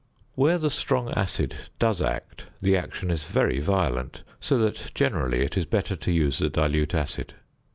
Where the strong acid does act the action is very violent, so that generally it is better to use the dilute acid.